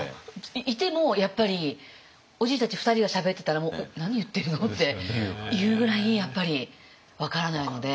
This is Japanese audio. いてもやっぱりおじいたち２人がしゃべってたら「何言ってるの？」っていうぐらいやっぱり分からないので。